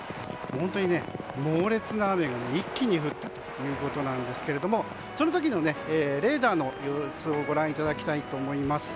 本当に猛烈な雨が一気に降ったということなんですがその時のレーダーの様子をご覧ください。